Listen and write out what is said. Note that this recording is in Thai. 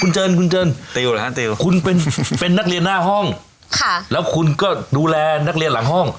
เจินคุณเจินติวเหรอฮะติวคุณเป็นนักเรียนหน้าห้องค่ะแล้วคุณก็ดูแลนักเรียนหลังห้อง